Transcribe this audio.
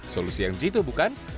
solusi yang jitu bukan